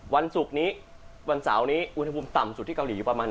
วันศุกร์นี้วันเสาร์นี้อุณหภูมิต่ำสุดที่เกาหลีอยู่ประมาณ